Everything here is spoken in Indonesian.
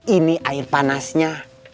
ini air panasnya